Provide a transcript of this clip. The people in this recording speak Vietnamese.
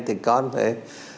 thì con phải